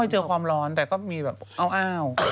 เจอความร้อนแต่ก็มีแบบอ้าว